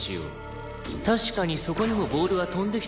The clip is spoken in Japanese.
確かにそこにもボールは飛んできたかもしれない。